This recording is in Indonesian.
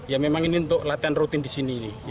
ya memang ini untuk latihan rutin di sini